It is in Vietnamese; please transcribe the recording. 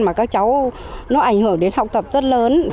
mà các cháu nó ảnh hưởng đến học tập rất lớn